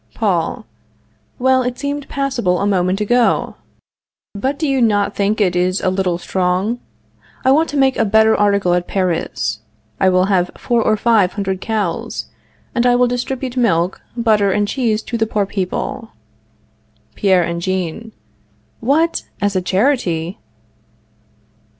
Paul. Well, it seemed passable a moment ago. But do you not think it is a little strong? I want to make a better article at Paris. I will have four or five hundred cows, and I will distribute milk, butter and cheese to the poor people. Pierre and Jean. What! as a charity?